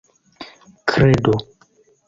kredo